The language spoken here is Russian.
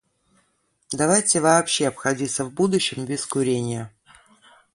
Давайте вообще обходиться в будущем без курения.